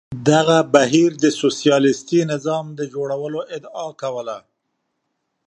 دغه بهیر د سوسیالیستي نظام د جوړولو ادعا کوله.